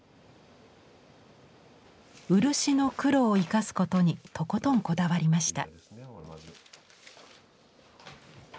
漆の黒を生かすことにとことんこだわりました。